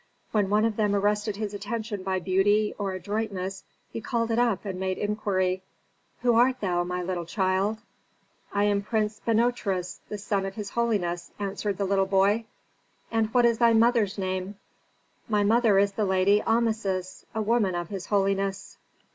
When one of them arrested his attention by beauty or adroitness he called it up, and made inquiry, "Who art thou, my little child?" "I am Prince Binotris, the son of his holiness," answered the little boy. "And what is thy mother's name?" "My mother is the lady Ameses, a woman of his holiness."